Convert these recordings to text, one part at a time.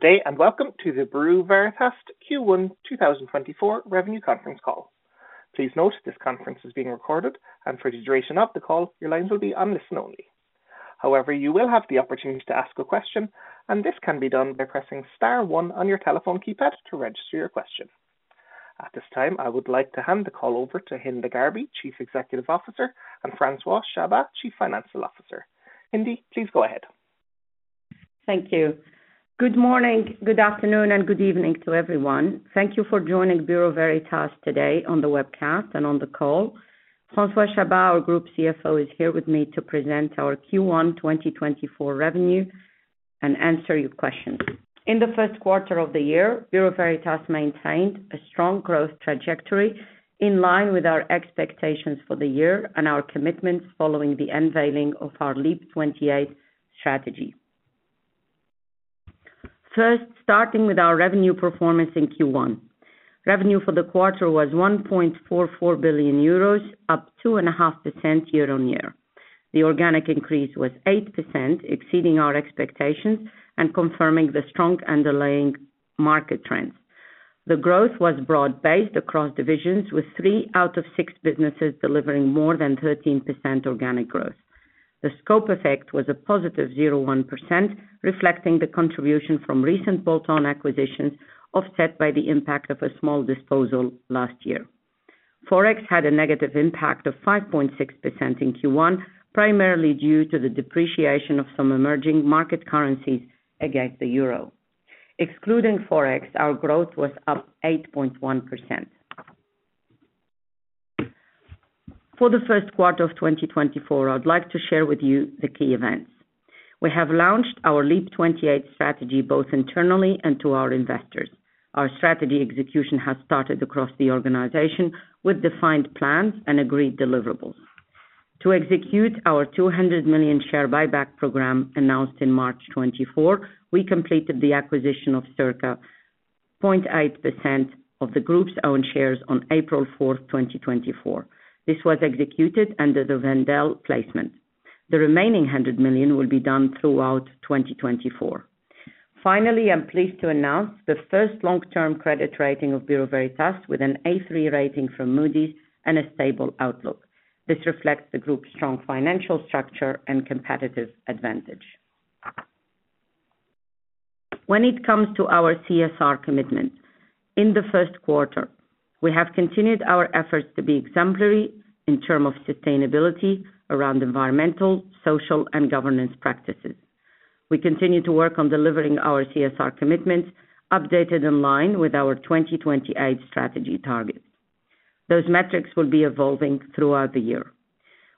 Good day and welcome to the Bureau Veritas Q1 2024 revenue conference call. Please note this conference is being recorded, and for the duration of the call your lines will be listen-only. However, you will have the opportunity to ask a question, and this can be done by pressing star 1 on your telephone keypad to register your question. At this time, I would like to hand the call over to Hinda Gharbi, Chief Executive Officer, and François Chabas, Chief Financial Officer. Hinda, please go ahead. Thank you. Good morning, good afternoon, and good evening to everyone. Thank you for joining Bureau Veritas today on the webcast and on the call. François Chabas, our Group CFO, is here with me to present our Q1 2024 revenue and answer your questions. In the first quarter of the year, Bureau Veritas maintained a strong growth trajectory in line with our expectations for the year and our commitments following the unveiling of our LEAP 28 strategy. First, starting with our revenue performance in Q1. Revenue for the quarter was 1.44 billion euros, up 2.5% year-on-year. The organic increase was 8%, exceeding our expectations and confirming the strong underlying market trends. The growth was broad-based across divisions, with three out of six businesses delivering more than 13% organic growth. The scope effect was a positive 0.1%, reflecting the contribution from recent bolt-on acquisitions offset by the impact of a small disposal last year. Forex had a negative impact of 5.6% in Q1, primarily due to the depreciation of some emerging market currencies against the euro. Excluding forex, our growth was up 8.1%. For the first quarter of 2024, I'd like to share with you the key events. We have launched our LEAP 28 strategy both internally and to our investors. Our strategy execution has started across the organization with defined plans and agreed deliverables. To execute our 200 million share buyback programme announced in March 2024, we completed the acquisition of circa 0.8% of the group's own shares on April 4, 2024. This was executed under the Wendel placement. The remaining 100 million will be done throughout 2024. Finally, I'm pleased to announce the first long-term credit rating of Bureau Veritas, with an A3 rating from Moody's and a stable outlook. This reflects the group's strong financial structure and competitive advantage. When it comes to our CSR commitments, in the first quarter, we have continued our efforts to be exemplary in terms of sustainability around environmental, social, and governance practices. We continue to work on delivering our CSR commitments, updated in line with our 2028 strategy targets. Those metrics will be evolving throughout the year.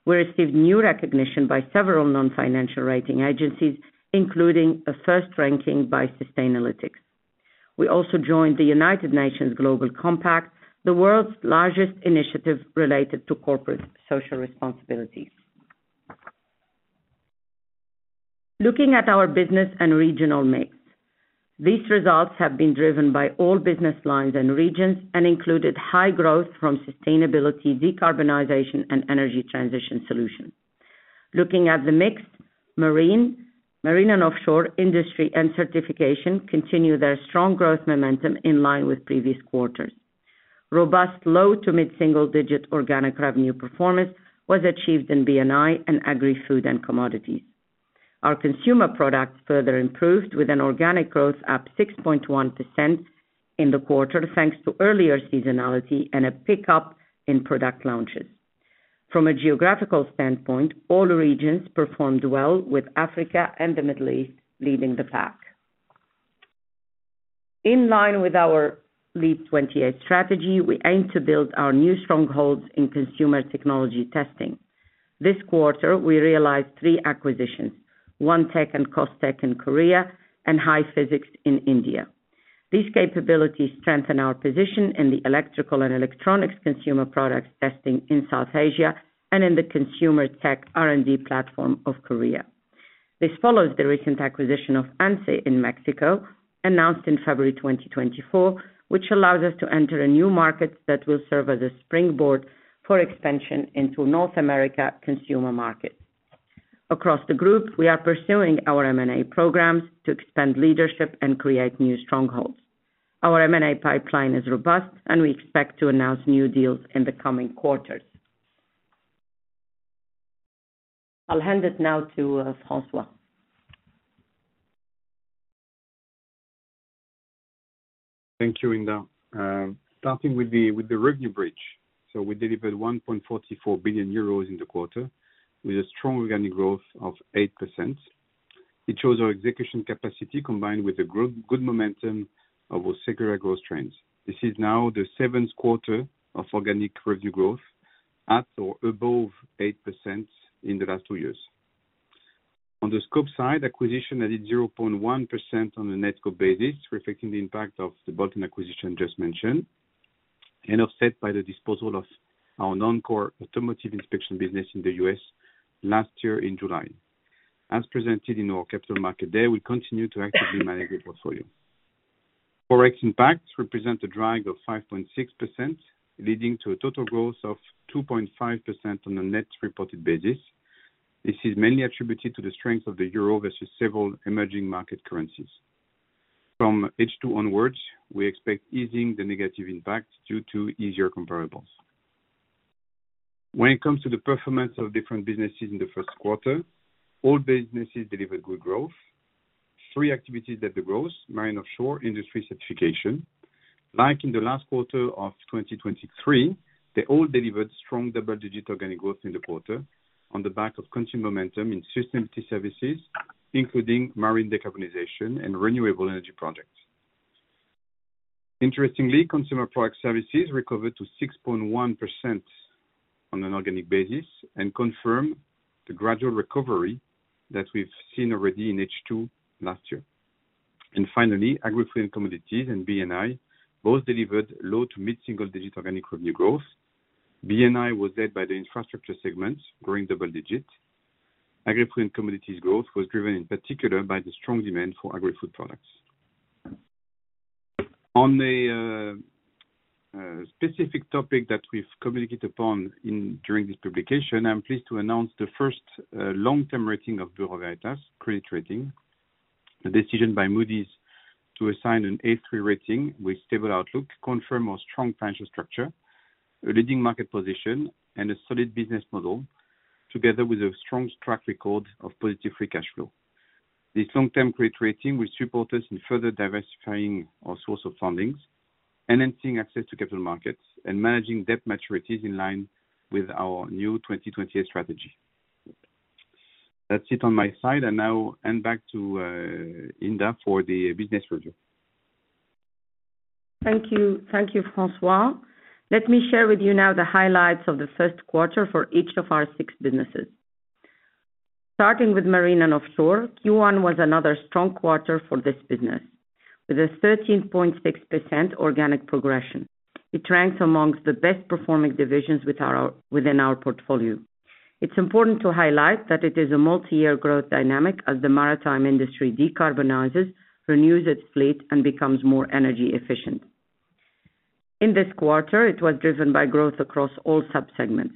We received new recognition by several non-financial rating agencies, including a first ranking by Sustainalytics. We also joined the United Nations Global Compact, the world's largest initiative related to corporate social responsibilities. Looking at our business and regional mix, these results have been driven by all business lines and regions and included high growth from sustainability, decarbonization, and energy transition solutions. Looking at the mix, marine and offshore industry and certification continue their strong growth momentum in line with previous quarters. Robust low to mid-single digit organic revenue performance was achieved in BNI and agri-food and commodities. Our consumer products further improved, with an organic growth up 6.1% in the quarter thanks to earlier seasonality and a pickup in product launches. From a geographical standpoint, all regions performed well, with Africa and the Middle East leading the pack. In line with our LEAP 28 strategy, we aim to build our new strongholds in consumer technology testing. This quarter, we realised three acquisitions: OneTech and Kostec in Korea, and Hi Physix in India. These capabilities strengthen our position in the electrical and electronics consumer products testing in South Asia and in the consumer tech R&D platform of Korea. This follows the recent acquisition of ANCE in Mexico, announced in February 2024, which allows us to enter a new market that will serve as a springboard for expansion into North America consumer markets. Across the group, we are pursuing our M&A programs to expand leadership and create new strongholds. Our M&A pipeline is robust, and we expect to announce new deals in the coming quarters. I'll hand it now to François. Thank you, Hinda. Starting with the revenue bridge, we delivered 1.44 billion euros in the quarter with a strong organic growth of 8%. It shows our execution capacity combined with a good momentum of our secular growth trends. This is now the seventh quarter of organic revenue growth at or above 8% in the last two years. On the scope side, acquisition added 0.1% on a net scope basis, reflecting the impact of the bolt-on acquisition just mentioned and offset by the disposal of our non-core automotive inspection business in the U.S. last year in July. As presented in our Capital Market Day, we continue to actively manage the portfolio. Forex impacts represent a drag of 5.6%, leading to a total growth of 2.5% on a net reported basis. This is mainly attributed to the strength of the euro versus several emerging market currencies. From H2 onwards, we expect easing the negative impact due to easier comparables. When it comes to the performance of different businesses in the first quarter, all businesses delivered good growth. Three activities led the growth: Marine & Offshore, Industry & Certification. Like in the last quarter of 2023, they all delivered strong double-digit organic growth in the quarter on the back of continued momentum in sustainability services, including marine decarbonization and renewable energy projects. Interestingly, Consumer Products recovered to 6.1% on an organic basis and confirm the gradual recovery that we've seen already in H2 last year. And finally, Agri-Food & Commodities and BNI both delivered low- to mid-single-digit organic revenue growth. BNI was led by the infrastructure segments, growing double-digit. Agri-Food & Commodities growth was driven in particular by the strong demand for Agri-Food products. On a specific topic that we've communicated upon during this publication, I'm pleased to announce the first long-term rating of Bureau Veritas credit rating. The decision by Moody's to assign an A3 rating with stable outlook confirms our strong financial structure, a leading market position, and a solid business model, together with a strong track record of positive free cash flow. This long-term credit rating will support us in further diversifying our source of fundings, enhancing access to capital markets, and managing debt maturities in line with our new 2028 strategy. That's it on my side. I now hand back to Hinda for the business review. Thank you, François. Let me share with you now the highlights of the first quarter for each of our six businesses. Starting with Marine and Offshore, Q1 was another strong quarter for this business with a 13.6% organic progression. It ranks among the best performing divisions within our portfolio. It's important to highlight that it is a multi-year growth dynamic as the maritime industry decarbonizes, renews its fleet, and becomes more energy efficient. In this quarter, it was driven by growth across all subsegments.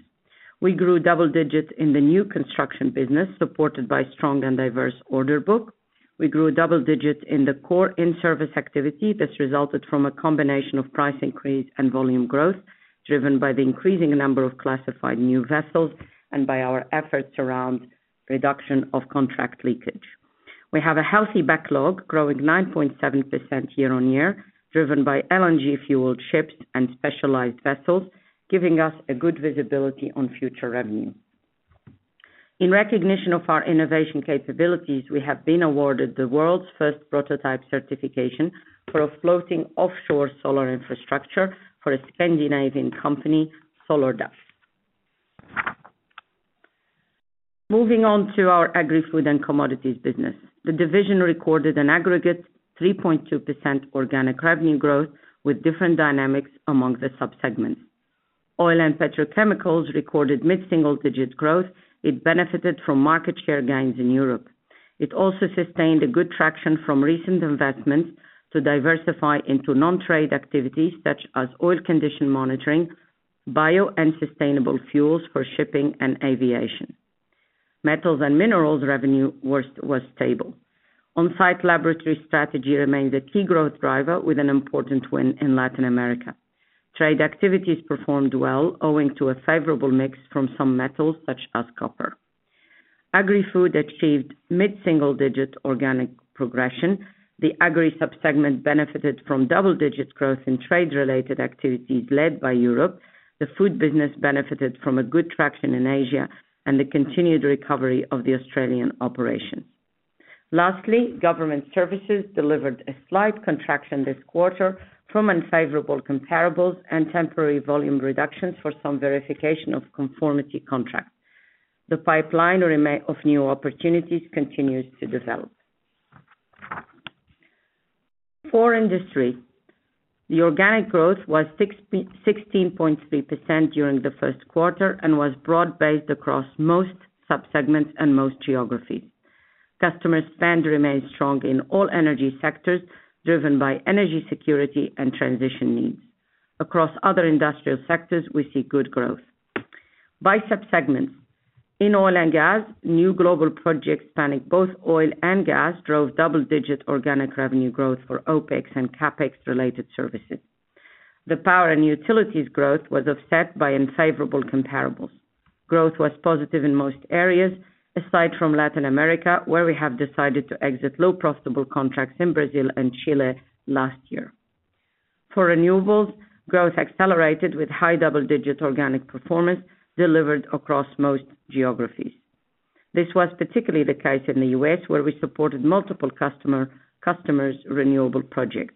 We grew double digit in the new construction business, supported by strong and diverse order book. We grew double digit in the core in-service activity. This resulted from a combination of price increase and volume growth, driven by the increasing number of classified new vessels and by our efforts around reduction of contract leakage. We have a healthy backlog, growing 9.7% year-on-year, driven by LNG-fuelled ships and specialized vessels, giving us a good visibility on future revenue. In recognition of our innovation capabilities, we have been awarded the world's first prototype certification for a floating offshore solar infrastructure for a Scandinavian company, SolarDuck. Moving on to our Agri-Food & Commodities business, the division recorded an aggregate 3.2% organic revenue growth with different dynamics among the subsegments. Oil and petrochemicals recorded mid-single digit growth. It benefited from market share gains in Europe. It also sustained a good traction from recent investments to diversify into non-trade activities such as oil condition monitoring, bio and sustainable fuels for shipping and aviation. Metals and minerals revenue was stable. On-site laboratory strategy remains a key growth driver, with an important win in Latin America. Trade activities performed well, owing to a favorable mix from some metals such as copper. Agri-food achieved mid-single-digit organic progression. The agri subsegment benefited from double-digit growth in trade-related activities led by Europe. The food business benefited from good traction in Asia and the continued recovery of the Australian operations. Lastly, government services delivered a slight contraction this quarter from unfavorable comparables and temporary volume reductions for some verification of conformity contracts. The pipeline of new opportunities continues to develop. For industry, the organic growth was 16.3% during the first quarter and was broad-based across most subsegments and most geographies. Customer spend remains strong in all energy sectors, driven by energy security and transition needs. Across other industrial sectors, we see good growth. By subsegments, in oil and gas, new global projects spanning both oil and gas drove double-digit organic revenue growth for OPEX and CAPEX-related services. The power and utilities growth was offset by unfavorable comparables. Growth was positive in most areas, aside from Latin America, where we have decided to exit low-profitable contracts in Brazil and Chile last year. For renewables, growth accelerated with high double-digit organic performance delivered across most geographies. This was particularly the case in the U.S., where we supported multiple customers' renewable projects.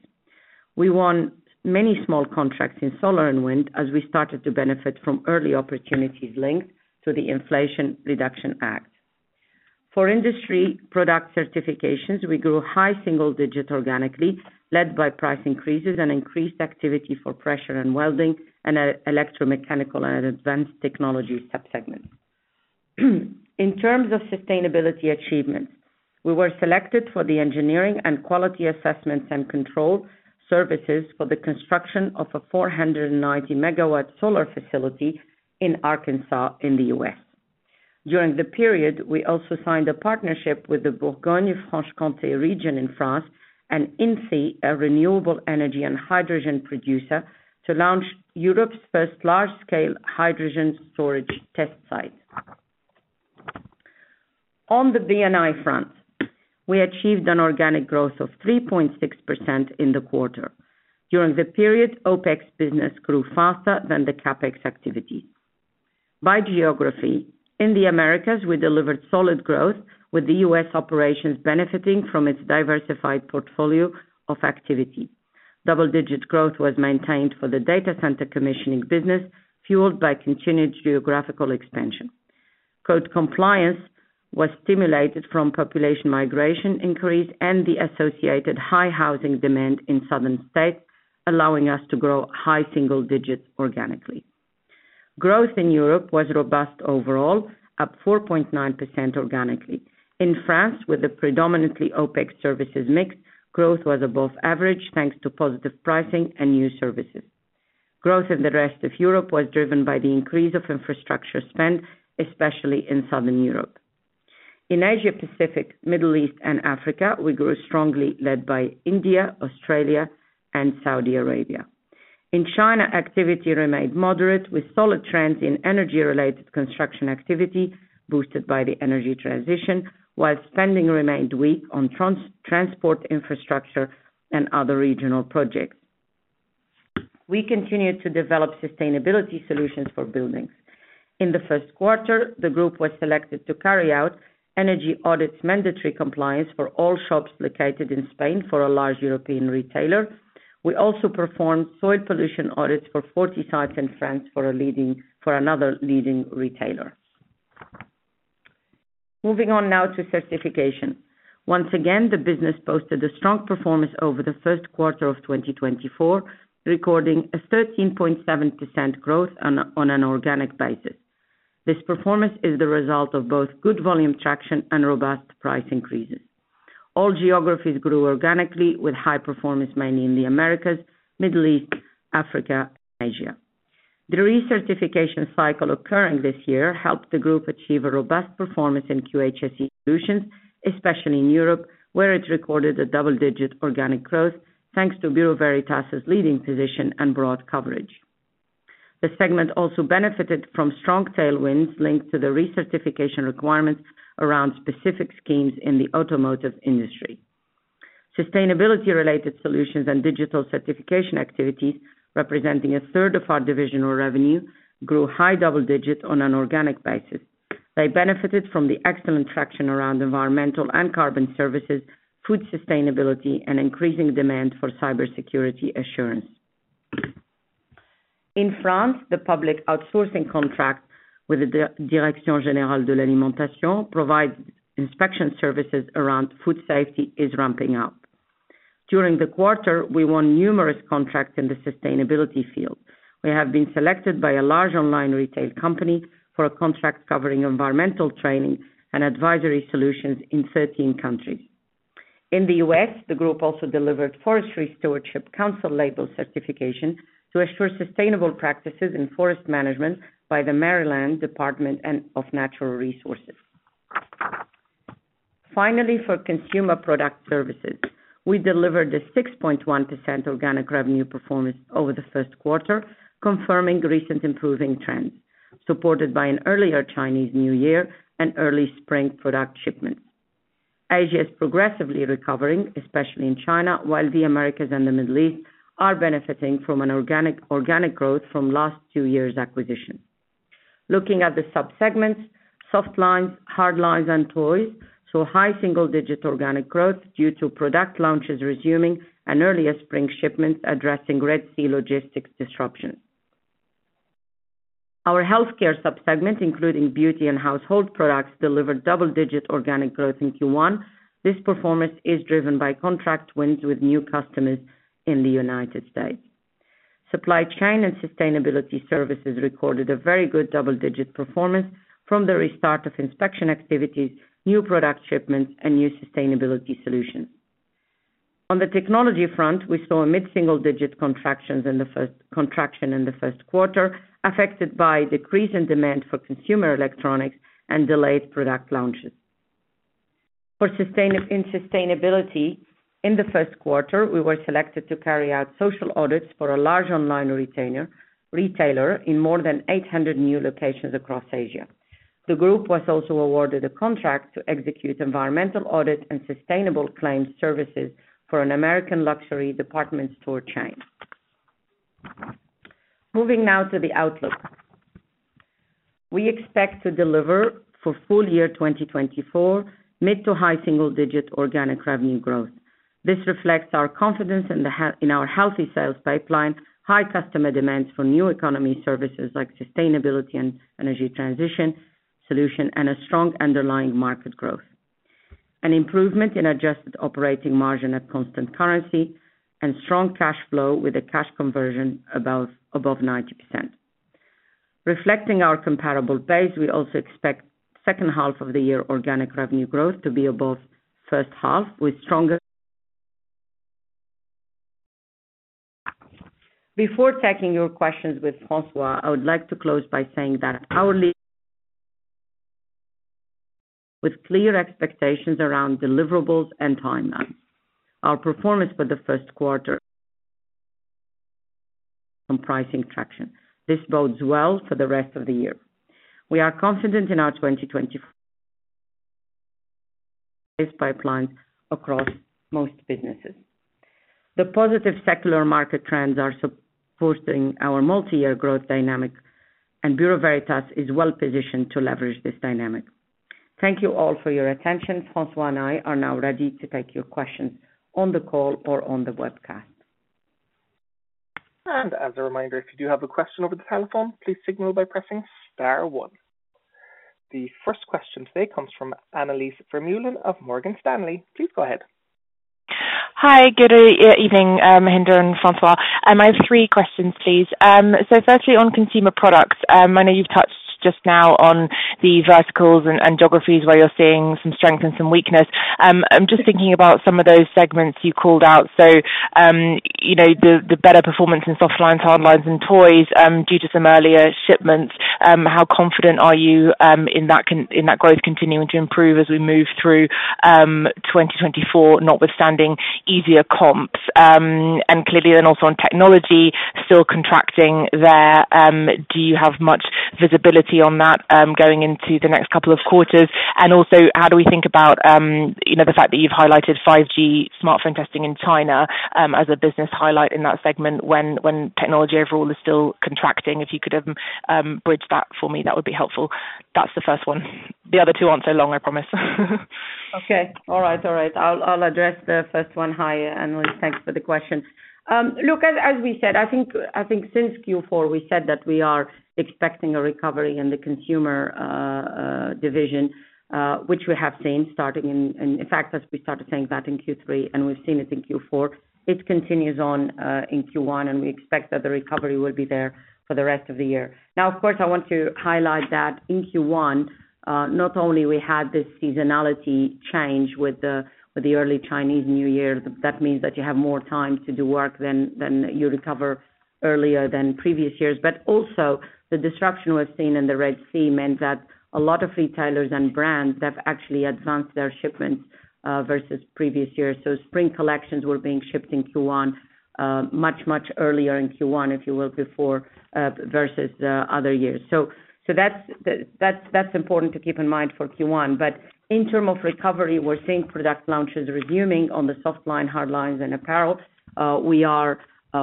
We won many small contracts in solar and wind as we started to benefit from early opportunities linked to the Inflation Reduction Act. For industry product certifications, we grew high single digit organically, led by price increases and increased activity for pressure and welding and electromechanical and advanced technology subsegments. In terms of sustainability achievements, we were selected for the engineering and quality assessments and control services for the construction of a 490MW solar facility in Arkansas in the U.S. During the period, we also signed a partnership with the Bourgogne-Franche-Comté region in France and Inthy, a renewable energy and hydrogen producer, to launch Europe's first large-scale hydrogen storage test site. On the BNI front, we achieved an organic growth of 3.6% in the quarter. During the period, OPEX business grew faster than the CAPEX activities. By geography, in the Americas, we delivered solid growth, with the U.S. operations benefiting from its diversified portfolio of activity. Double-digit growth was maintained for the data center commissioning business, fueled by continued geographical expansion. Code compliance was stimulated from population migration increase and the associated high housing demand in southern states, allowing us to grow high single digit organically. Growth in Europe was robust overall, up 4.9% organically. In France, with a predominantly OPEX services mix, growth was above average thanks to positive pricing and new services. Growth in the rest of Europe was driven by the increase of infrastructure spend, especially in southern Europe. In Asia Pacific, Middle East, and Africa, we grew strongly, led by India, Australia, and Saudi Arabia. In China, activity remained moderate, with solid trends in energy-related construction activity boosted by the energy transition, while spending remained weak on transport infrastructure and other regional projects. We continued to develop sustainability solutions for buildings. In the first quarter, the group was selected to carry out energy audits mandatory compliance for all shops located in Spain for a large European retailer. We also performed soil pollution audits for 40 sites in France for another leading retailer. Moving on now to certification. Once again, the business posted a strong performance over the first quarter of 2024, recording a 13.7% growth on an organic basis. This performance is the result of both good volume traction and robust price increases. All geographies grew organically, with high performance mainly in the Americas, Middle East, Africa, and Asia. The recertification cycle occurring this year helped the group achieve a robust performance in QHSE solutions, especially in Europe, where it recorded a double-digit organic growth thanks to Bureau Veritas' leading position and broad coverage. The segment also benefited from strong tailwinds linked to the recertification requirements around specific schemes in the automotive industry. Sustainability-related solutions and digital certification activities, representing a third of our divisional revenue, grew high double digit on an organic basis. They benefited from the excellent traction around environmental and carbon services, food sustainability, and increasing demand for cybersecurity assurance. In France, the public outsourcing contract with the Direction Générale de l'Alimentation provides inspection services around food safety, is ramping up. During the quarter, we won numerous contracts in the sustainability field. We have been selected by a large online retail company for a contract covering environmental training and advisory solutions in 13 countries. In the U.S., the group also delivered Forest Stewardship Council label certification to assure sustainable practices in forest management by the Maryland Department of Natural Resources. Finally, for consumer product services, we delivered a 6.1% organic revenue performance over the first quarter, confirming recent improving trends, supported by an earlier Chinese New Year and early spring product shipments. Asia is progressively recovering, especially in China, while the Americas and the Middle East are benefiting from organic growth from last two years' acquisition. Looking at the subsegments: soft lines, hard lines, and toys, saw high single digit organic growth due to product launches resuming and earlier spring shipments addressing Red Sea logistics disruptions. Our healthcare subsegment, including beauty and household products, delivered double-digit organic growth in Q1. This performance is driven by contract wins with new customers in the United States. Supply chain and sustainability services recorded a very good double-digit performance from the restart of inspection activities, new product shipments, and new sustainability solutions. On the technology front, we saw a mid-single digit contraction in the first quarter, affected by a decrease in demand for consumer electronics and delayed product launches. In sustainability, in the first quarter, we were selected to carry out social audits for a large online retailer in more than 800 new locations across Asia. The group was also awarded a contract to execute environmental audit and sustainable claims services for an American luxury department store chain. Moving now to the outlook, we expect to deliver for full year 2024 mid to high single digit organic revenue growth. This reflects our confidence in our healthy sales pipeline, high customer demands for new economy services like sustainability and energy transition solution, and a strong underlying market growth, an improvement in adjusted operating margin at constant currency, and strong cash flow with a cash conversion above 90%. Reflecting our comparable base, we also expect second half of the year organic revenue growth to be above first half, with stronger. Before taking your questions with François, I would like to close by saying that our LEAP with clear expectations around deliverables and timelines, our performance for the first quarter from pricing traction, this bodes well for the rest of the year. We are confident in our 2024 sales pipelines across most businesses. The positive secular market trends are supporting our multi-year growth dynamic, and Bureau Veritas is well positioned to leverage this dynamic. Thank you all for your attention. François and I are now ready to take your questions on the call or on the webcast. As a reminder, if you do have a question over the telephone, please signal by pressing star one. The first question today comes from Anneliese Vermeulen of Morgan Stanley. Please go ahead. Hi, good evening, Hinda and François. My three questions, please. Firstly, on consumer products, I know you've touched just now on the verticals and geographies where you're seeing some strength and some weakness. I'm just thinking about some of those segments you called out. The better performance in soft lines, hard lines, and toys, due to some earlier shipments, how confident are you in that growth continuing to improve as we move through 2024, notwithstanding easier comps? And clearly then also on technology, still contracting there, do you have much visibility on that going into the next couple of quarters? And also, how do we think about the fact that you've highlighted 5G smartphone testing in China as a business highlight in that segment when technology overall is still contracting? If you could have bridged that for me, that would be helpful. That's the first one. The other two aren't so long, I promise. Okay. All right. All right. I'll address the first one, Hinda. Thanks for the question. Look, as we said, I think since Q4, we said that we are expecting a recovery in the consumer division, which we have seen starting in, in fact, as we started saying that in Q3 and we've seen it in Q4. It continues on in Q1, and we expect that the recovery will be there for the rest of the year. Now, of course, I want to highlight that in Q1, not only we had this seasonality change with the early Chinese New Year, that means that you have more time to do work than you recover earlier than previous years. But also, the disruption we've seen in the Red Sea meant that a lot of retailers and brands have actually advanced their shipments versus previous years. So spring collections were being shipped in Q1 much, much earlier in Q1, if you will, versus other years. So that's important to keep in mind for Q1. But in terms of recovery, we're seeing product launches resuming on the soft line, hard lines, and apparel.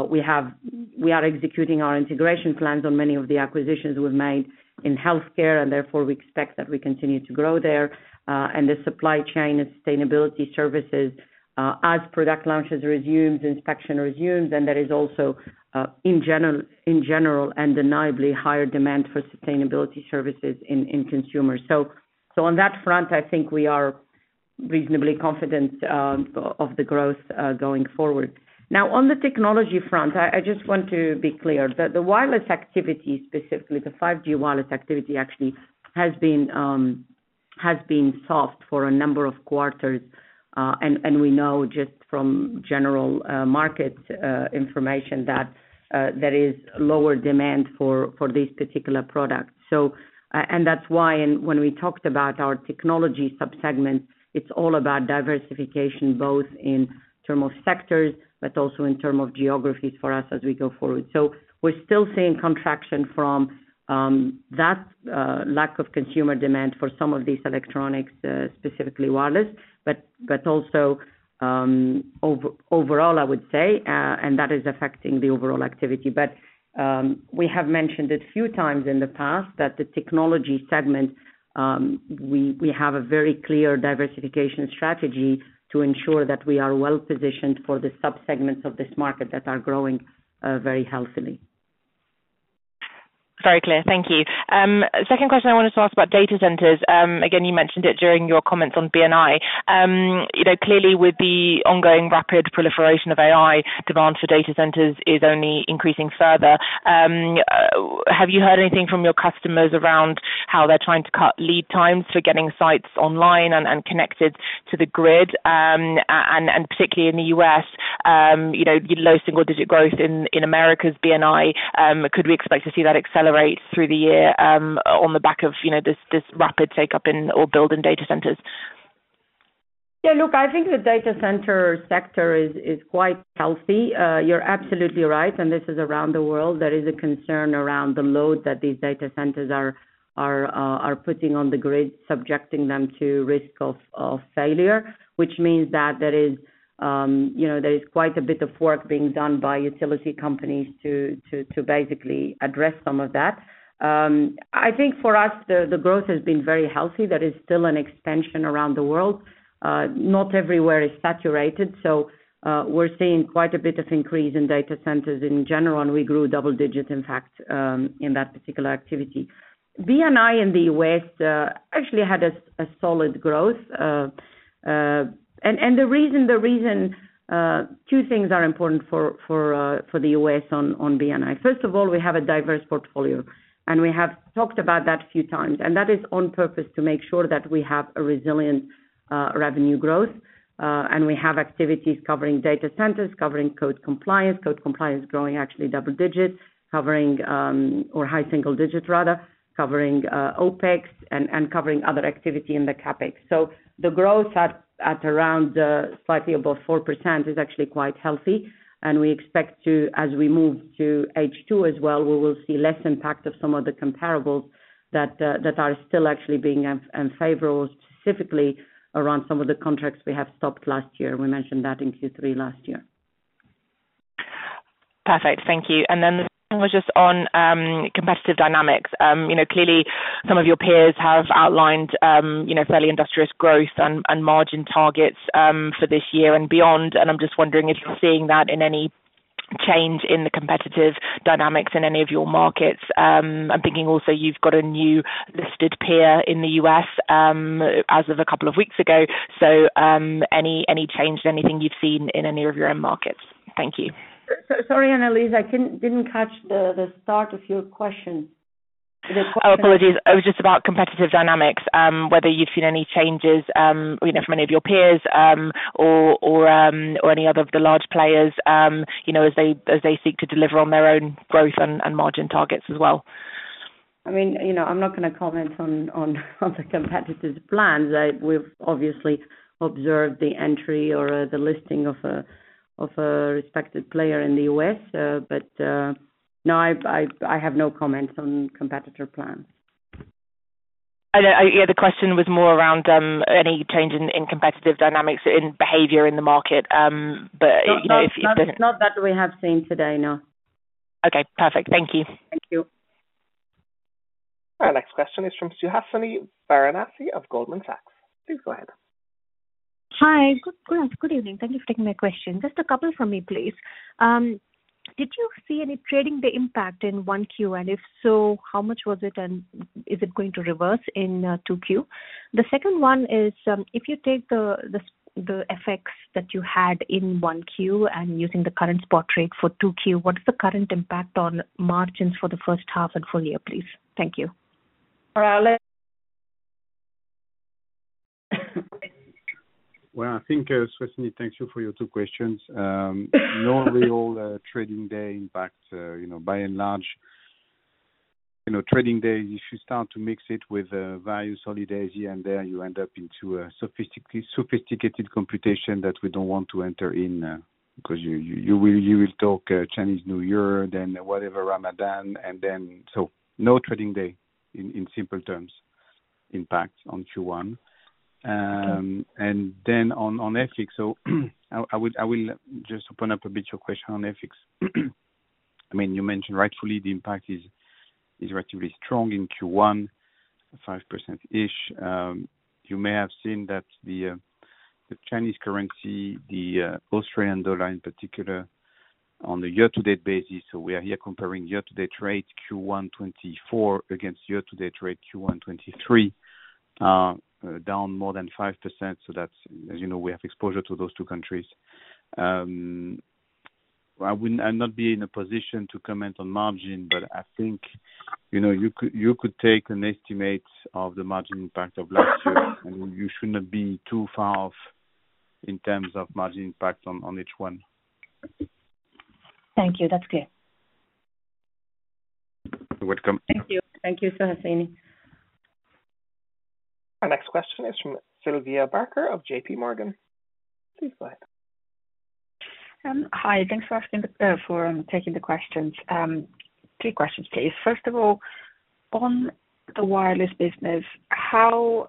We are executing our integration plans on many of the acquisitions we've made in healthcare, and therefore, we expect that we continue to grow there. And the supply chain and sustainability services, as product launches resume, inspection resumes, and there is also, in general, undeniably higher demand for sustainability services in consumers. So on that front, I think we are reasonably confident of the growth going forward. Now, on the technology front, I just want to be clear that the wireless activity, specifically the 5G wireless activity, actually has been soft for a number of quarters. And we know just from general market information that there is lower demand for these particular products. That's why when we talked about our technology subsegment, it's all about diversification, both in terms of sectors but also in terms of geographies for us as we go forward. We're still seeing contraction from that lack of consumer demand for some of these electronics, specifically wireless, but also overall, I would say, and that is affecting the overall activity. We have mentioned it a few times in the past that the technology segment, we have a very clear diversification strategy to ensure that we are well positioned for the subsegments of this market that are growing very healthily. Very clear. Thank you. Second question, I wanted to ask about data centers. Again, you mentioned it during your comments on BNI. Clearly, with the ongoing rapid proliferation of AI, demand for data centers is only increasing further. Have you heard anything from your customers around how they're trying to cut lead times for getting sites online and connected to the grid? And particularly in the U.S., low single digit growth in Americas' BNI, could we expect to see that accelerate through the year on the back of this rapid take-up or build in data centers? Yeah. Look, I think the data center sector is quite healthy. You're absolutely right. And this is around the world. There is a concern around the load that these data centers are putting on the grid, subjecting them to risk of failure, which means that there is quite a bit of work being done by utility companies to basically address some of that. I think for us, the growth has been very healthy. There is still an expansion around the world. Not everywhere is saturated. So we're seeing quite a bit of increase in data centers in general, and we grew double-digit, in fact, in that particular activity. BNI in the U.S. actually had a solid growth. And the reason two things are important for the U.S. on BNI. First of all, we have a diverse portfolio, and we have talked about that a few times. And that is on purpose to make sure that we have a resilient revenue growth. And we have activities covering data centers, covering code compliance, code compliance growing actually double-digit, or high single-digit, rather, covering OPEX and covering other activity in the CAPEX. So the growth at around slightly above 4% is actually quite healthy. We expect to, as we move to H2 as well, we will see less impact of some of the comparables that are still actually being unfavorable, specifically around some of the contracts we have stopped last year. We mentioned that in Q3 last year. Perfect. Thank you. And then the second was just on competitive dynamics. Clearly, some of your peers have outlined fairly industrious growth and margin targets for this year and beyond. And I'm just wondering if you're seeing that in any change in the competitive dynamics in any of your markets. I'm thinking also you've got a new listed peer in the U.S. as of a couple of weeks ago. So any change in anything you've seen in any of your own markets? Thank you. Sorry, Annelies. I didn't catch the start of your question. Oh, apologies. It was just about competitive dynamics, whether you've seen any changes from any of your peers or any other of the large players as they seek to deliver on their own growth and margin targets as well. I mean, I'm not going to comment on the competitors' plans. We've obviously observed the entry or the listing of a respected player in the US. But no, I have no comments on competitor plans. Yeah. The question was more around any change in competitive dynamics in behaviour in the market. But if there's Not that we have seen today. No. Okay. Perfect. Thank you. Thank you. Our next question is from Suhasini Varanasi of Goldman Sachs. Please go ahead. Hi. Good evening. Thank you for taking my question. Just a couple from me, please. Did you see any trading the impact in 1Q? And if so, how much was it, and is it going to reverse in 2Q? The second one is, if you take the effects that you had in 1Q and using the current spot rate for 2Q, what is the current impact on margins for the first half and full year, please? Thank you. Well, I think, Suhasini, thank you for your two questions. No real trading day impact, by and large. Trading days, if you start to mix it with holiday calendars and there, you end up into a sophisticated computation that we don't want to enter in because you will talk Chinese New Year, then whatever, Ramadan, and then so no trading day, in simple terms. Impact on Q1. And then on FX, so I will just open up a bit your question on FX. I mean, you mentioned rightfully the impact is relatively strong in Q1, 5%-ish. You may have seen that the Chinese currency, the Australian dollar in particular, on the year-to-date basis so we are here comparing year-to-date rate Q1 2024 against year-to-date rate Q1 2023, down more than 5%. So as you know, we have exposure to those two countries. I would not be in a position to comment on margin, but I think you could take an estimate of the margin impact of last year, and you should not be too far off in terms of margin impact on each one. Thank you. That's clear. Welcome. Thank you. Thank you, Suhasini. Our next question is from Sylvia Barker of J.P. Morgan. Please go ahead. Hi. Thanks for taking the questions. Three questions, please. First of all, on the wireless business, how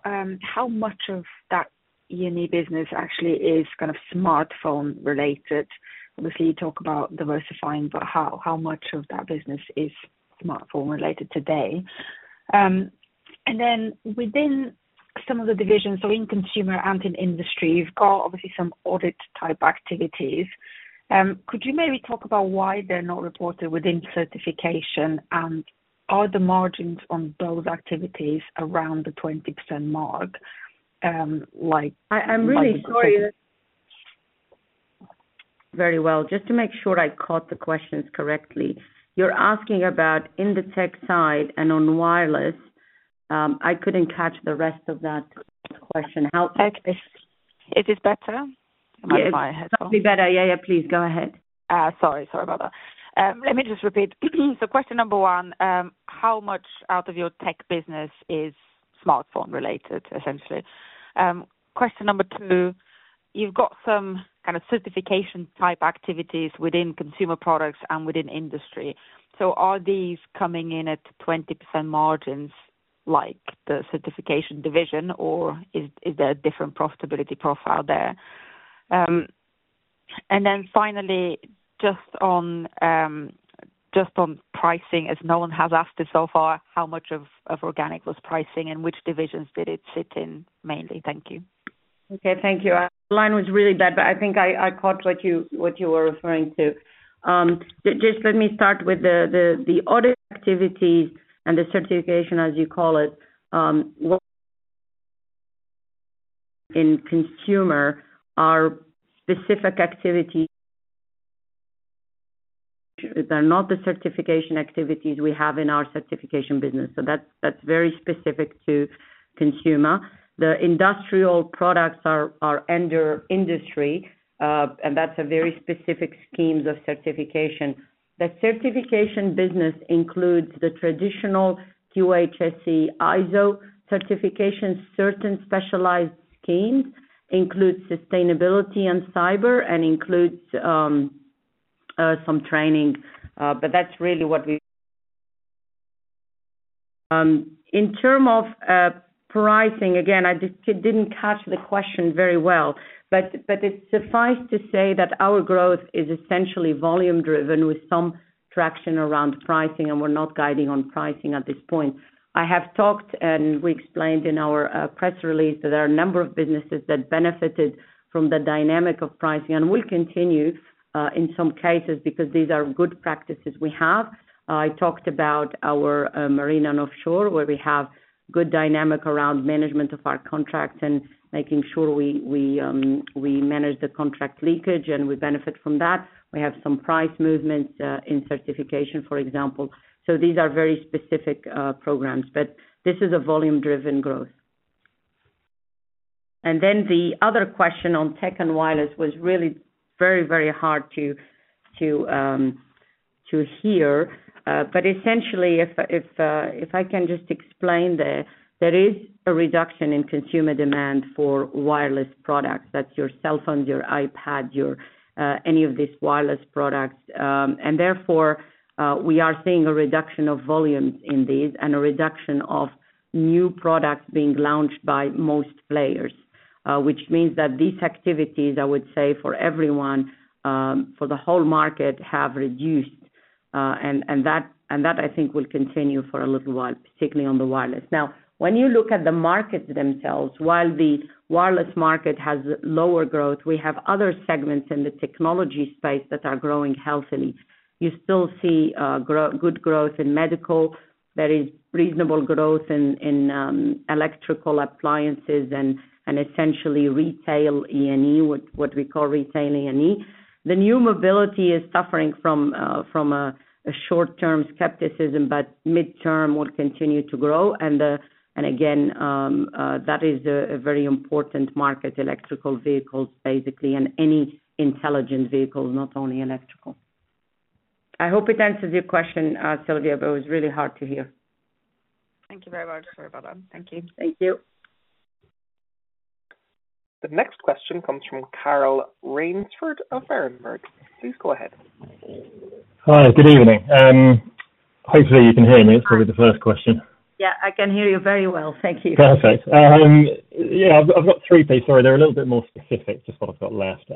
much of that unique business actually is kind of smartphone-related? Obviously, you talk about diversifying, but how much of that business is smartphone-related today? And then within some of the divisions, so in consumer and in industry, you've got, obviously, some audit-type activities. Could you maybe talk about why they're not reported within certification, and are the margins on those activities around the 20% mark, like marketing? I'm really sorry. Very well. Just to make sure I caught the questions correctly, you're asking about in the tech side and on wireless. I couldn't catch the rest of that question. How? Is this better? Am I on my headphones? It's probably better. Yeah, yeah, please. Go ahead. Sorry. Sorry about that. Let me just repeat. So question number one, how much out of your tech business is smartphone-related, essentially? Question number two, you've got some kind of certification-type activities within consumer products and within industry. So are these coming in at 20% margins like the certification division, or is there a different profitability profile there? And then finally, just on pricing, as no one has asked it so far, how much of organic was pricing, and which divisions did it sit in mainly? Thank you. Okay. Thank you. The line was really bad, but I think I caught what you were referring to. Just let me start with the audit activities and the certification, as you call it. In consumer, are specific activities that are not the certification activities we have in our certification business? So that's very specific to consumer. The industrial products are under industry, and that's a very specific scheme of certification. The certification business includes the traditional QHSE ISO certification. Certain specialized schemes include sustainability and cyber and include some training. In terms of pricing, again, I didn't catch the question very well, but it suffices to say that our growth is essentially volume-driven with some traction around pricing, and we're not guiding on pricing at this point. I have talked, and we explained in our press release, that there are a number of businesses that benefited from the dynamic of pricing and will continue in some cases because these are good practices we have. I talked about our Marine and Offshore, where we have good dynamic around management of our contracts and making sure we manage the contract leakage, and we benefit from that. We have some price movements in Certification, for example. So these are very specific programs, but this is a volume-driven growth. And then the other question on tech and wireless was really very, very hard to hear. But essentially, if I can just explain there, there is a reduction in consumer demand for wireless products. That's your cell phones, your iPads, any of these wireless products. And therefore, we are seeing a reduction of volumes in these and a reduction of new products being launched by most players, which means that these activities, I would say, for everyone, for the whole market, have reduced. And that, I think, will continue for a little while, particularly on the wireless. Now, when you look at the markets themselves, while the wireless market has lower growth, we have other segments in the technology space that are growing healthily. You still see good growth in medical. There is reasonable growth in electrical appliances and essentially retail E&E, what we call retail E&E. The new mobility is suffering from a short-term skepticism, but mid-term, we'll continue to grow. And again, that is a very important market, electric vehicles, basically, and any intelligent vehicles, not only electric. I hope it answers your question, Sylvia, but it was really hard to hear. Thank you very much. Sorry about that. Thank you. Thank you. The next question comes from Carl Raynsford of Berenberg. Please go ahead. Hi. Good evening. Hopefully, you can hear me. It's probably the first question. Yeah. I can hear you very well. Thank you. Perfect. Yeah. I've got three pieces. Sorry. They're a little bit more specific, just what I've got left.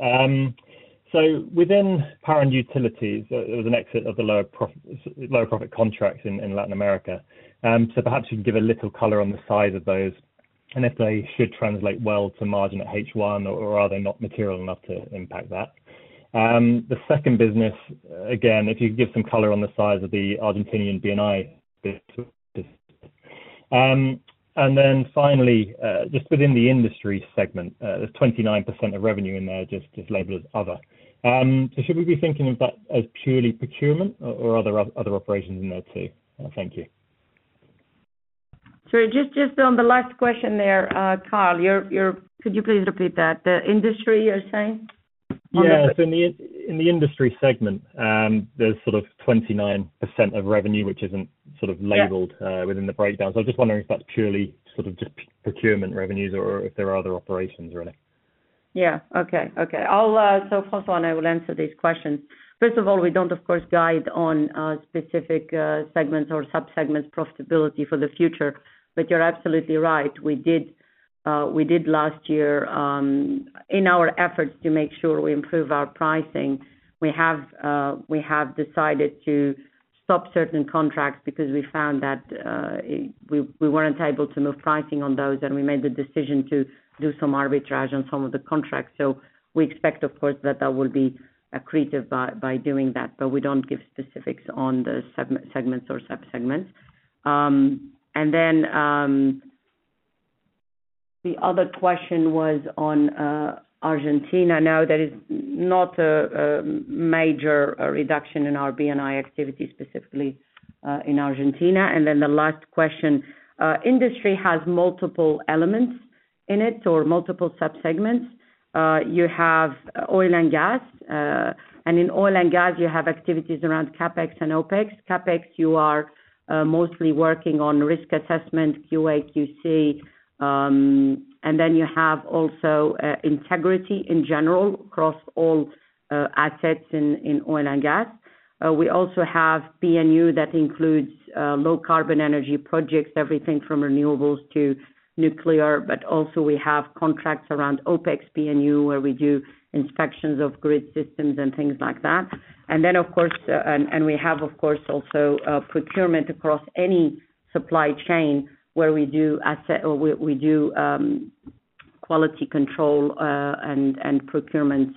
So within Power & Utilities, there was an exit of the low-profit contracts in Latin America. So perhaps you can give a little color on the size of those and if they should translate well to margin at H1, or are they not material enough to impact that? The second business, again, if you could give some color on the size of the Argentinian BNI business. And then finally, just within the industry segment, there's 29% of revenue in there, just labeled as other. So should we be thinking of that as purely procurement, or are there other operations in there too? Thank you. Sorry. Just on the last question there, Carl. Could you please repeat that? The industry, you're saying? Yeah. So in the industry segment, there's sort of 29% of revenue, which isn't sort of labeled within the breakdown. So I'm just wondering if that's purely sort of just procurement revenues or if there are other operations, really. Yeah. Okay. Okay. So François, and I will answer these questions. First of all, we don't, of course, guide on specific segments or subsegments profitability for the future. But you're absolutely right. We did last year, in our efforts to make sure we improve our pricing, we have decided to stop certain contracts because we found that we weren't able to move pricing on those, and we made the decision to do some arbitrage on some of the contracts. So we expect, of course, that that will be accretive by doing that, but we don't give specifics on the segments or subsegments. The other question was on Argentina. Now, there is not a major reduction in our BNI activity, specifically in Argentina. The last question, industry has multiple elements in it or multiple subsegments. You have oil and gas. And in oil and gas, you have activities around CapEx and OPEX. CapEx, you are mostly working on risk assessment, QA, QC. And then you have also integrity in general across all assets in oil and gas. We also have PNU that includes low-carbon energy projects, everything from renewables to nuclear. But also, we have contracts around OPEX, PNU, where we do inspections of grid systems and things like that. And then, of course, we have, of course, also procurement across any supply chain where we do quality control and procurement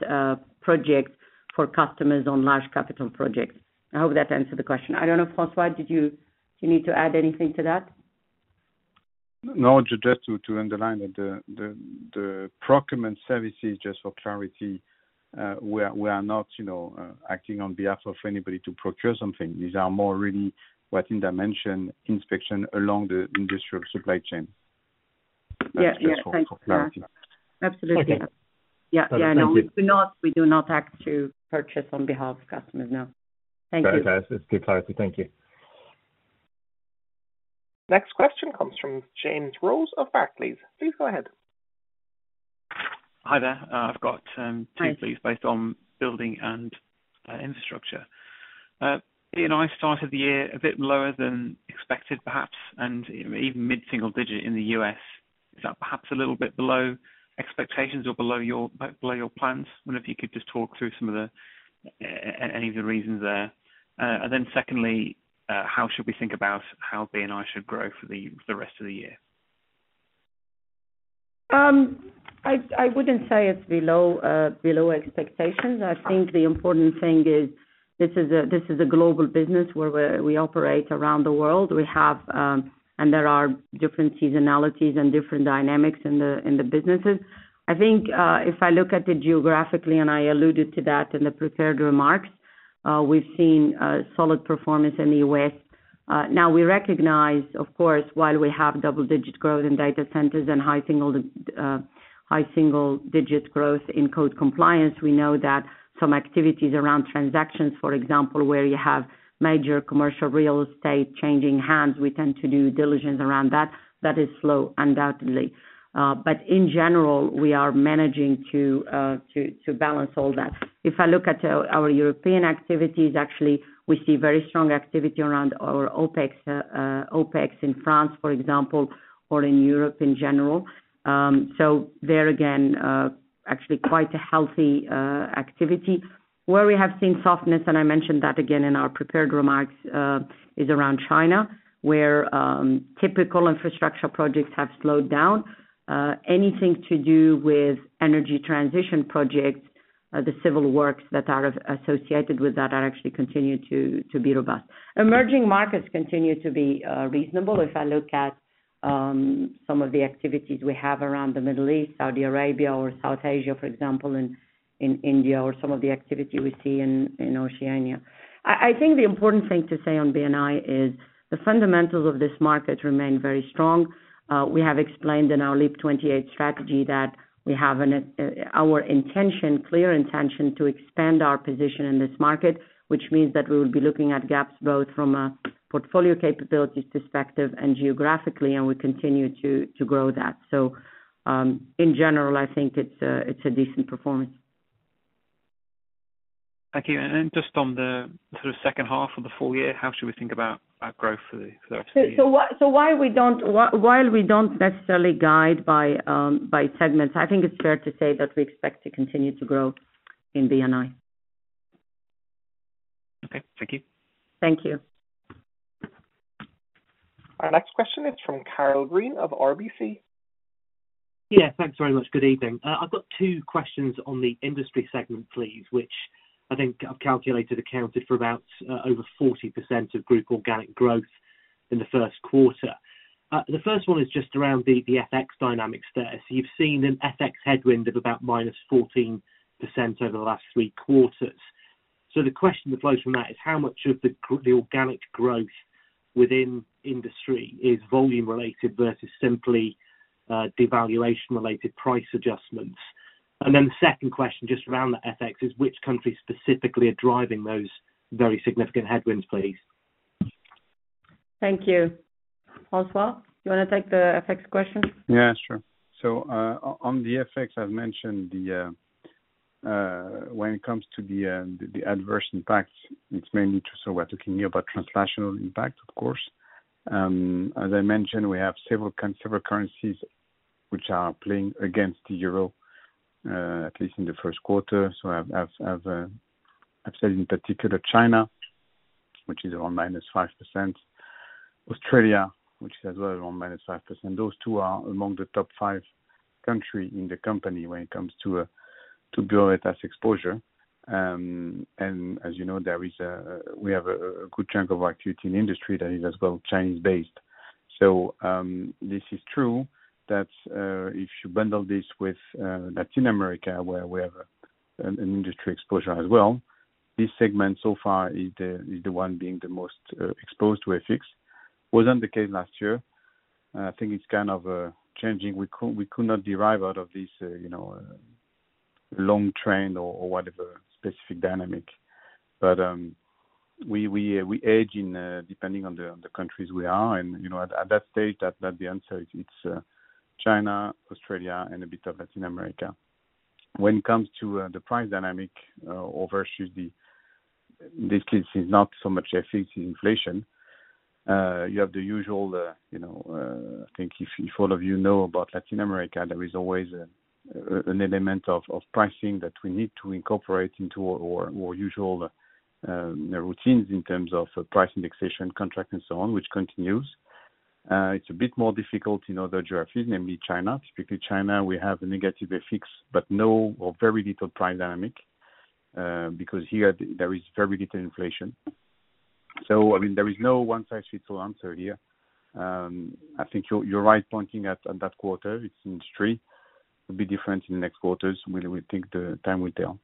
projects for customers on large capital projects. I hope that answered the question. I don't know, François, did you need to add anything to that? No. Just to underline that the procurement services, just for clarity, we are not acting on behalf of anybody to procure something. These are more really what Hinda mentioned, inspection along the industrial supply chain. That's for clarity. Yeah. Yeah. Absolutely. Yeah. Yeah. No. We do not act to purchase on behalf of customers. No. Thank you. Fantastic. It's clear clarity. Thank you. Next question comes from James Rose of Barclays. Please go ahead. Hi there. I've got two, please, based on Buildings and Infrastructure. B&I started the year a bit lower than expected, perhaps, and even mid-single digit in the U.S. Is that perhaps a little bit below expectations or below your plans? I don't know if you could just talk through any of the reasons there. And then secondly, how should we think about how B&I should grow for the rest of the year? I wouldn't say it's below expectations. I think the important thing is this is a global business where we operate around the world. And there are different seasonalities and different dynamics in the businesses. I think if I look at it geographically, and I alluded to that in the prepared remarks, we've seen solid performance in the U.S. Now, we recognize, of course, while we have double-digit growth in data centers and high-single-digit growth in code compliance, we know that some activities around transactions, for example, where you have major commercial real estate changing hands, we tend to do diligence around that. That is slow, undoubtedly. But in general, we are managing to balance all that. If I look at our European activities, actually, we see very strong activity around our OPEX in France, for example, or in Europe in general. So there, again, actually quite a healthy activity. Where we have seen softness, and I mentioned that again in our prepared remarks, is around China, where typical infrastructure projects have slowed down. Anything to do with energy transition projects, the civil works that are associated with that, are actually continuing to be robust. Emerging markets continue to be reasonable if I look at some of the activities we have around the Middle East, Saudi Arabia, or South Asia, for example, in India, or some of the activity we see in Oceania. I think the important thing to say on BNI is the fundamentals of this market remain very strong. We have explained in our LEAP 28 strategy that we have our clear intention to expand our position in this market, which means that we will be looking at gaps both from a portfolio capabilities perspective and geographically, and we continue to grow that. So in general, I think it's a decent performance. Thank you. And then just on the sort of second half of the full year, how should we think about growth for the rest of the year? So while we don't necessarily guide by segments, I think it's fair to say that we expect to continue to grow in BNI. Okay. Thank you. Thank you. Our next question is from Karl Green of RBC. Yes. Thanks very much. Good evening. I've got two questions on the industry segment, please, which I think I've calculated accounted for about over 40% of group organic growth in the first quarter. The first one is just around the FX dynamic status. You've seen an FX headwind of about -14% over the last three quarters. So the question that flows from that is how much of the organic growth within industry is volume-related versus simply devaluation-related price adjustments? And then the second question, just around that FX, is which countries specifically are driving those very significant headwinds, please? Thank you. François, do you want to take the FX question? Yeah. Sure. So on the FX, as mentioned, when it comes to the adverse impacts, it's mainly so we're talking here about translation impact, of course. As I mentioned, we have several currencies which are playing against the euro, at least in the first quarter. So I've said, in particular, China, which is around -5%, Australia, which is as well around -5%. Those two are among the top five countries in the company when it comes to geographic exposure. And as you know, we have a good chunk of our activity in industry that is as well Chinese-based. So this is true that if you bundle this with Latin America, where we have an industry exposure as well, this segment so far is the one being the most exposed to FX. Wasn't the case last year. I think it's kind of changing. We could not derive out of this long train or whatever specific dynamic. We vary depending on the countries we are. At that stage, that'll be answered. It's China, Australia, and a bit of Latin America. When it comes to the price dynamic or versus this, the case is not so much FX. It's inflation. You have the usual I think if all of you know about Latin America, there is always an element of pricing that we need to incorporate into our usual routines in terms of price indexation, contract, and so on, which continues. It's a bit more difficult in other geographies, namely China. Typically, China, we have a negative FX but no or very little price dynamic because here, there is very little inflation. I mean, there is no one-size-fits-all answer here. I think you're right pointing at that quarter. It's industry. It'll be different in the next quarters. We think the time will tell.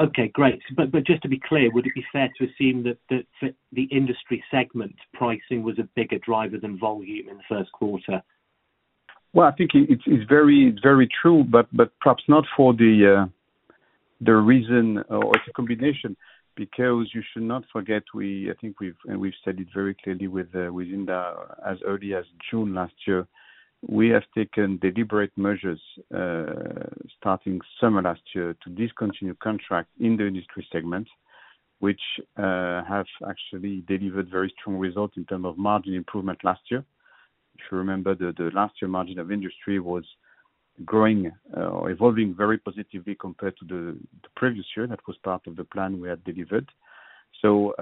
Okay. Great. But just to be clear, would it be fair to assume that for the industry segment, pricing was a bigger driver than volume in the first quarter? Well, I think it's very true, but perhaps not for the reason or it's a combination because you should not forget I think we've said it very clearly with India, as early as June last year, we have taken deliberate measures starting summer last year to discontinue contracts in the industry segments, which have actually delivered very strong results in terms of margin improvement last year. If you remember, the last year margin of industry was growing or evolving very positively compared to the previous year. That was part of the plan we had delivered. So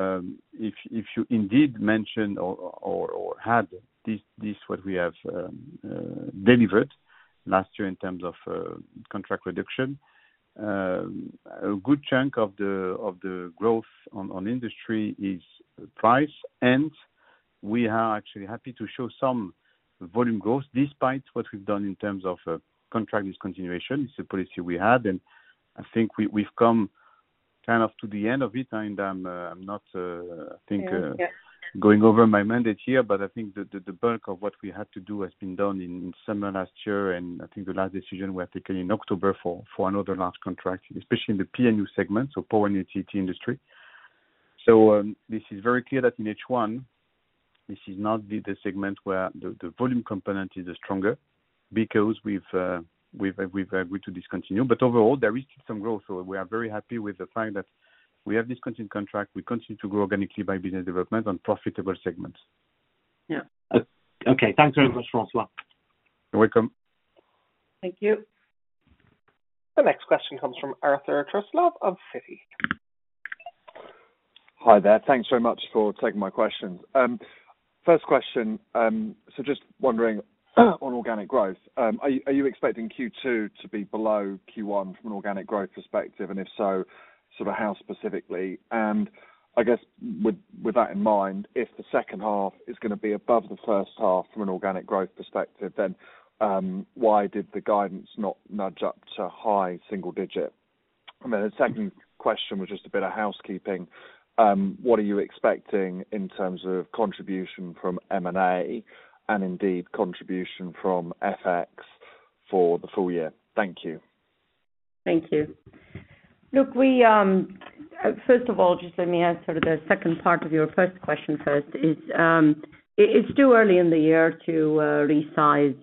if you indeed mention or had this, what we have delivered last year in terms of contract reduction, a good chunk of the growth on industry is price. And we are actually happy to show some volume growth despite what we've done in terms of contract discontinuation. It's a policy we had. And I think we've come kind of to the end of it. And I'm not, I think, going over my mandate here. But I think the bulk of what we had to do has been done in summer last year. And I think the last decision we have taken in October for another large contract, especially in the PNU segment, so power and utility industry. So this is very clear that in H1, this is not the segment where the volume component is the stronger because we've agreed to discontinue. But overall, there is still some growth. So we are very happy with the fact that we have discontinued contract. We continue to grow organically by business development on profitable segments. Yeah. Okay. Thanks very much, François. You're welcome. Thank you. The next question comes from Arthur Truslove of Citi. Hi there. Thanks so much for taking my questions. First question, so just wondering on organic growth, are you expecting Q2 to be below Q1 from an organic growth perspective? And if so, sort of how specifically? And I guess with that in mind, if the second half is going to be above the first half from an organic growth perspective, then why did the guidance not nudge up to high single digit? And then the second question was just a bit of housekeeping. What are you expecting in terms of contribution from M&A and indeed contribution from FX for the full year? Thank you. Thank you. Look, first of all, just let me ask sort of the second part of your first question first. It's too early in the year to resize,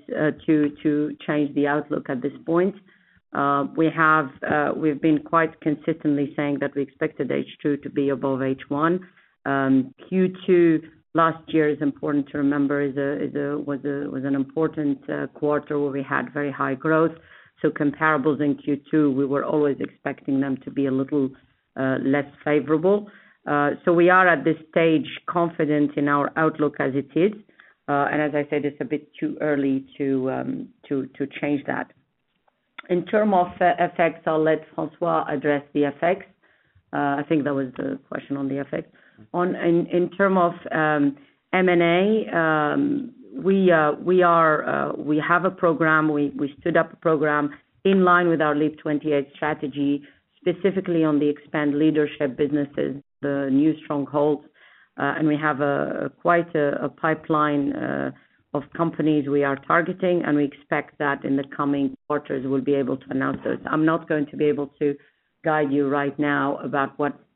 to change the outlook at this point. We've been quite consistently saying that we expected H2 to be above H1. Q2 last year, as important to remember, was an important quarter where we had very high growth. So comparables in Q2, we were always expecting them to be a little less favorable. So we are at this stage confident in our outlook as it is. And as I say, it's a bit too early to change that. In terms of FX, I'll let François address the FX. I think that was the question on the FX. In terms of M&A, we have a program. We stood up a program in line with our LEAP | 28 strategy, specifically on the expand leadership businesses, the new strongholds. We have quite a pipeline of companies we are targeting. We expect that in the coming quarters, we'll be able to announce those. I'm not going to be able to guide you right now about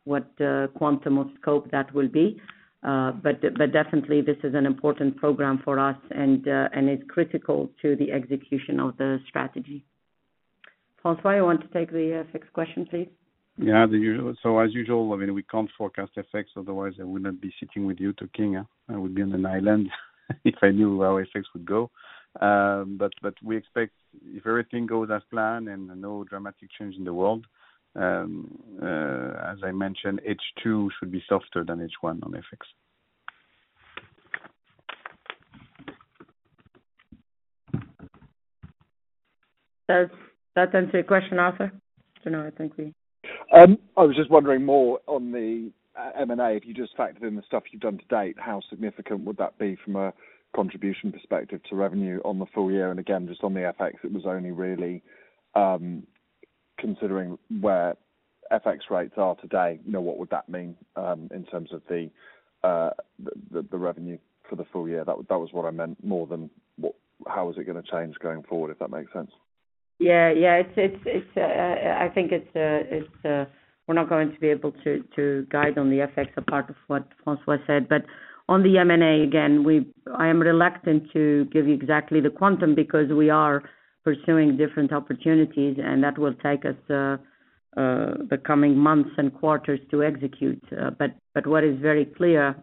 what quantum of scope that will be. But definitely, this is an important program for us and is critical to the execution of the strategy. François, you want to take the FX question, please? Yeah. So as usual, I mean, we can't forecast FX. Otherwise, I would not be sitting with you talking. I would be on an island if I knew where our FX would go. But we expect, if everything goes as planned and no dramatic change in the world, as I mentioned, H2 should be softer than H1 on FX. Does that answer your question, Arthur? I don't know. I think I was just wondering more on the M&A. If you just factored in the stuff you've done to date, how significant would that be from a contribution perspective to revenue on the full year? And again, just on the FX, it was only really considering where FX rates are today. What would that mean in terms of the revenue for the full year? That was what I meant more than how is it going to change going forward, if that makes sense. Yeah. Yeah. I think we're not going to be able to guide on the FX apart from what François said. But on the M&A, again, I am reluctant to give you exactly the quantum because we are pursuing different opportunities. That will take us the coming months and quarters to execute. But what is very clear,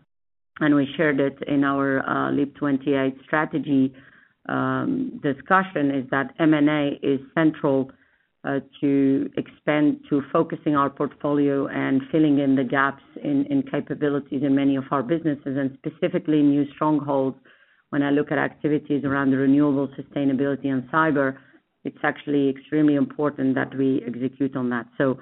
and we shared it in our LEAP 28 strategy discussion, is that M&A is central to focusing our portfolio and filling in the gaps in capabilities in many of our businesses and specifically new strongholds. When I look at activities around renewable, sustainability, and cyber, it's actually extremely important that we execute on that. So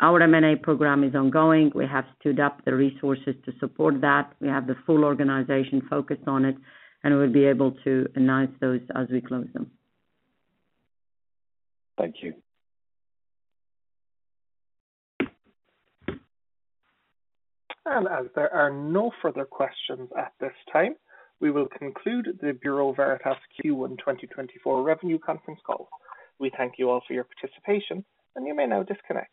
our M&A program is ongoing. We have stood up the resources to support that. We have the full organization focused on it. And we'll be able to announce those as we close them. Thank you. And as there are no further questions at this time, we will conclude the Bureau Veritas Q1 2024 revenue conference call. We thank you all for your participation. You may now disconnect.